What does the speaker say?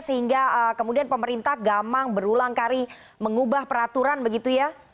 sehingga kemudian pemerintah gamang berulang kali mengubah peraturan begitu ya